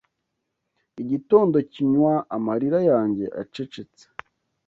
Igitondo kinywa amarira yanjye acecetse